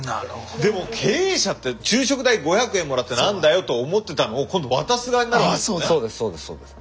でも経営者って昼食代５００円もらって何だよと思ってたのを今度渡す側になるわけですよね。